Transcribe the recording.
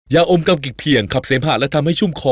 ยาอมกำกิกเพียงขับเสมหะและทำให้ชุ่มคอ